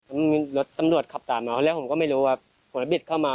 มีรถตำรวจขับตามมาแล้วผมก็ไม่รู้ว่าผมที่บิดคอมมา